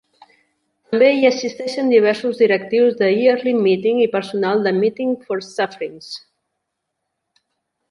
També hi assisteixen diversos directius de Yearly Meeting i personal de Meeting for Sufferings.